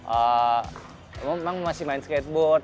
emang masih main skateboard